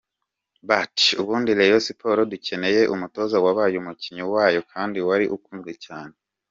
But, ubundi rayon sport dukeneye umutoza wabaye umukinnyi wayo kandi wari ukunzwe cyane.